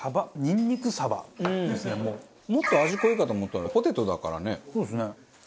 もっと味濃いかと思ったらポテトだからね。